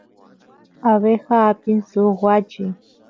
abeja apin suk wachi